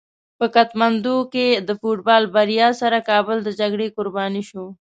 په کتمندو کې د فوټبال بریا سره کابل د جګړې قرباني شو.